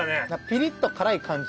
ピリッと辛い感じ